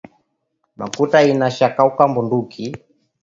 Makuta inaishishaka bunduku